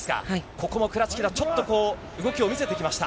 ここもクラチキナ、ちょっと動きを見せてきました。